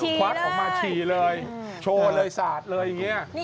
ควักออกมาฉี่เลยโชว์เลยสาดเลยอย่างนี้